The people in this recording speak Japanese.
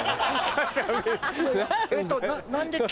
えっと。